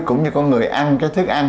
cũng như con người ăn cái thức ăn